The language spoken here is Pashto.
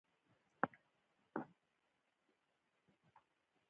بد خونده شیان له لاسه ورکه.